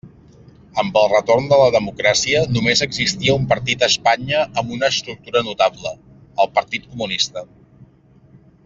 Amb el retorn de la democràcia, només existia un partit a Espanya amb una estructura notable: el Partit Comunista.